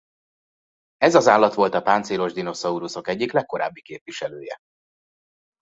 Ez az állat volt a páncélos dinoszauruszok egyik legkorábbi képviselője.